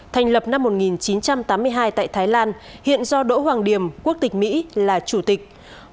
thành lập năm một nghìn chín trăm tám mươi hai tại thái lan hiện do đỗ hoàng điểm quốc tịch mỹ là chủ tịch